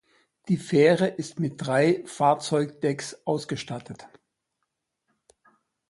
Die Fähre ist mit drei Fahrzeugdecks ausgestattet.